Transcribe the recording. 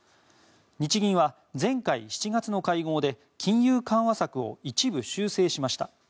日銀は前回、７月の会合で金融緩和策を一部修正しました。